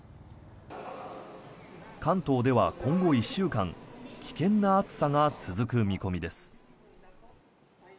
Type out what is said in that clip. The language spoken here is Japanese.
関東では今後１週間危険な暑さが続く見込みです。